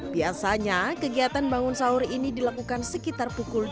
biasanya kegiatan bangun sahur ini dilakukan sekitar pukul